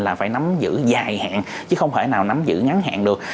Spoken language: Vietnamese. là phải nắm giữ dài hạn chứ không thể nào nắm giữ ngắn hạn được